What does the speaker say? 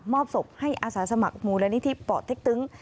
อบศพให้อาสาสมัครมูลนิธิป่อเต็กตึง